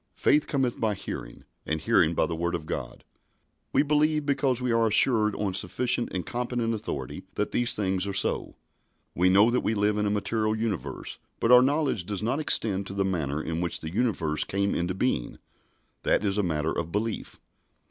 "Faith cometh by hearing, and hearing by the Word of God." We believe because we are assured on sufficient and competent authority that these things are so. We know that we live in a material universe, but our knowledge does not extend to the manner in which the universe came into being. That is a matter of belief.